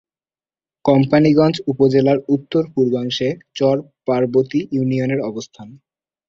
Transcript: কোম্পানীগঞ্জ উপজেলার উত্তর-পূর্বাংশে চর পার্বতী ইউনিয়নের অবস্থান।